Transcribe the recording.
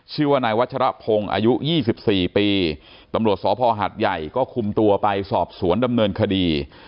ชื่อว่านายวัชรพงศ์อายุ๒๔ปีตำรวจสพหัดใหญ่ก็คุมตัวไปสอบสวนดำเนินคดี